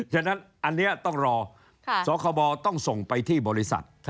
ฉะนั้นอันนี้ต้องรอสคบต้องส่งไปที่บริษัท